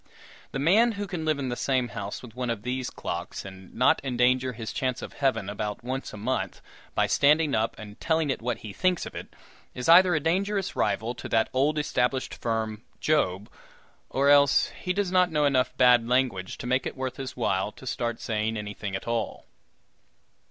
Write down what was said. The man who can live in the same house with one of these clocks, and not endanger his chance of heaven about once a month by standing up and telling it what he thinks of it, is either a dangerous rival to that old established firm, Job, or else he does not know enough bad language to make it worth his while to start saying anything at all.